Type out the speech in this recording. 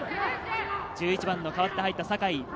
１１番の代わって入った坂井。